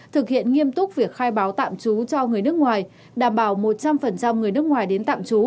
thực hiện nghiêm túc việc khai báo tạm trú cho người nước ngoài đảm bảo một trăm linh người nước ngoài đến tạm trú